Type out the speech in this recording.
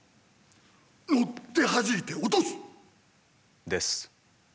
乗ってはじいて落とす！です。